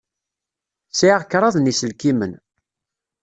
Sɛiɣ kraḍ n yiselkimen.